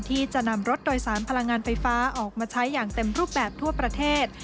ที่จะนำรถโดยสารพลังงานไฟฟ้าออกมาใช้อย่างเต็มรูปแบบทั่วประเทศ